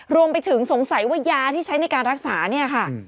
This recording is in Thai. รวมไปถึงสงสัยว่ายาที่ใช้ในการรักษาเนี่ยค่ะ